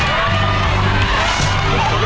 โอ้โอ้